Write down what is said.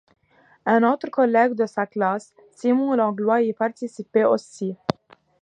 Un autre collègue de sa classe, Simon Langlois, y participait aussi.